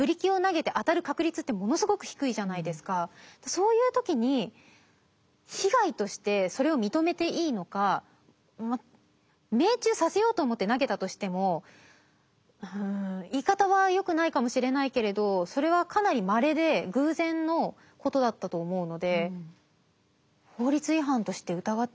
そういう時に被害としてそれを認めていいのか命中させようと思って投げたとしても言い方はよくないかもしれないけれどそれはかなりまれで個人的な意見としては客観的に思います。